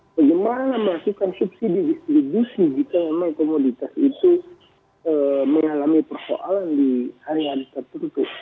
bagaimana melakukan subsidi distribusi jika memang komoditas itu mengalami persoalan di hari hari tertentu